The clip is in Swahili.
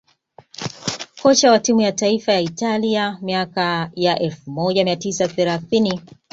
kocha wa timu ya taifa ya Italia miaka ya elfu moja mia tisa thelathini